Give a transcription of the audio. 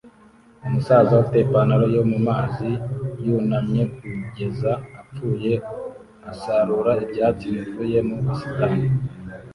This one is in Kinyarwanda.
Umusaza ufite ipantaro yo mu mazi yunamye kugeza apfuye asarura ibyatsi bivuye mu busitani